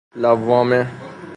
لوامه